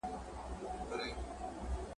لاس دي شل د محتسب وي شیخ مختوری پر بازار کې `